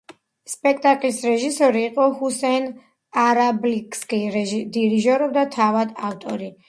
სპექტაკლის რეჟისორი იყო ჰუსეინ არაბლინსკი, დირიჟორობდა თავად ავტორი.